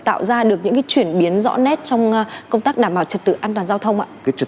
tạo ra được những cái chuyển biến rõ nét trong công tác đảm bảo trật tự an toàn giao thông ạ cái trật